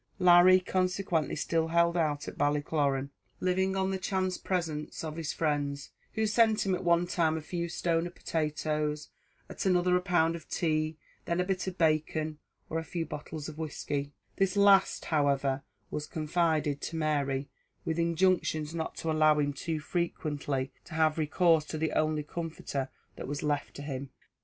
Larry consequently still held out at Ballycloran, living on the chance presents of his friends, who sent him at one time a few stone of potatoes, at another a pound of tea, then a bit of bacon, or a few bottles of whiskey; this last, however, was confided to Mary, with injunctions not to allow him too frequently to have recourse to the only comforter that was left to him.